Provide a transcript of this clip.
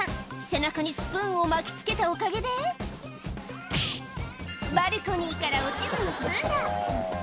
背中にスプーンを巻きつけたおかげで、バルコニーから落ちずに済んだ。